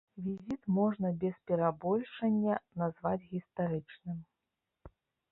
Візіт можна без перабольшання назваць гістарычным.